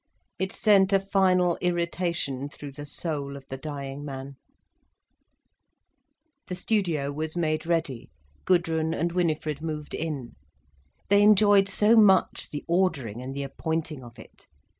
It sent a final irritation through the soul of the dying man. The studio was made ready, Gudrun and Winifred moved in. They enjoyed so much the ordering and the appointing of it.